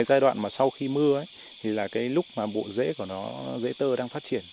giai đoạn mà sau khi mưa thì là cái lúc mà bộ dễ của nó dễ tơ đang phát triển